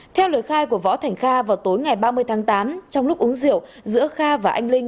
theo lời khai của võ thành kha vào tối ngày ba mươi tháng tám trong lúc uống rượu giữa kha và anh linh